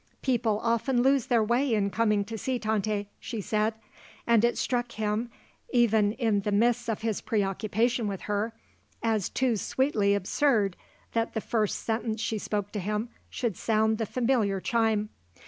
"People often lose their way in coming to see Tante," she said, and it struck him, even in the midst of his preoccupation with her, as too sweetly absurd that the first sentence she spoke to him should sound the familiar chime.